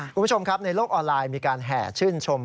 คุณผู้ชมครับในโลกออนไลน์มีการแห่ชื่นชม